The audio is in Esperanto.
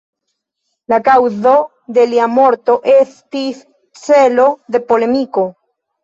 La kaŭzo de lia morto estis celo de polemiko.